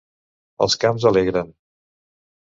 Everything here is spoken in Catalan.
Els camps alegren.